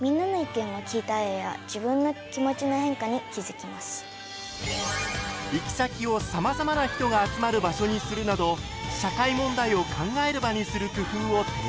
いやいや行き先をさまざまな人が集まる場所にするなど社会問題を考える場にする工夫を提案。